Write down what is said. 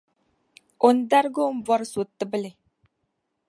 O ni dargi o ni bɔri so tibli.